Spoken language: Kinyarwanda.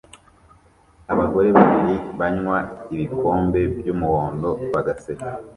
Abagore babiri banywa ibikombe byumuhondo bagaseka